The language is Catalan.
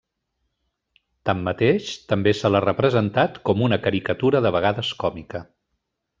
Tanmateix també se l'ha representat com una caricatura de vegades còmica.